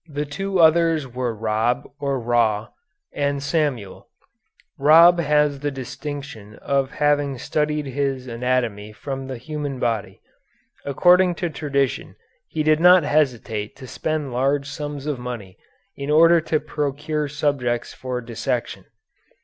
The two others were Rab or Raw and Samuel. Rab has the distinction of having studied his anatomy from the human body. According to tradition he did not hesitate to spend large sums of money in order to procure subjects for dissection.